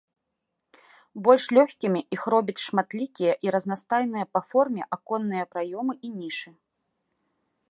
Больш лёгкімі іх робяць шматлікія і разнастайныя па форме аконныя праёмы і нішы.